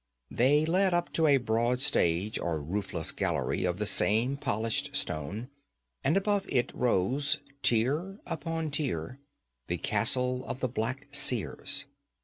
They led up to a broad stage or roofless gallery of the same polished stone, and above it rose, tier upon tier, the castle of the Black Seers.